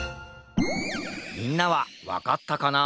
みんなはわかったかな？